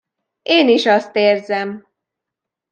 Én is azt érzem!